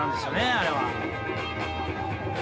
あれは。